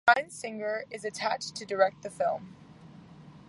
Bryan Singer is attached to direct the film.